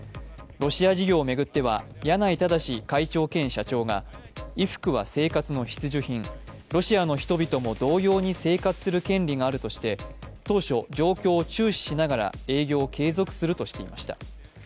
ロシア事業を巡っては柳井正会長兼社長が、衣服は生活の必需品、ロシアの人々も同様に生活する権利があるとして当初、状況を注視しながら営業を継続するとしていました。